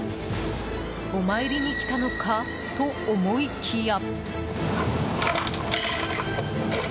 お参りに来たのか？と思いきや。